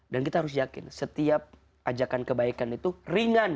dan kita harus yakin setiap ajakan kebaikan itu ringan